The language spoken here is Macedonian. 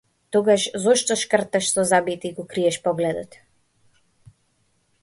Тогаш зошто шкрташ со забите и го криеш погледот?